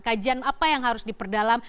kajian apa yang harus diperdalam